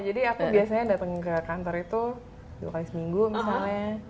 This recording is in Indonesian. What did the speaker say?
jadi aku biasanya datang ke kantor itu dua kali seminggu misalnya